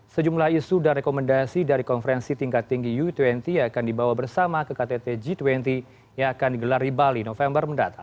sejumlah isu dan rekomendasi dari konferensi tingkat tinggi u dua puluh akan dibawa bersama ke ktt g dua puluh yang akan digelar di bali november mendatang